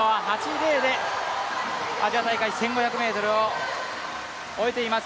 アジア大会１５００ｍを終えています。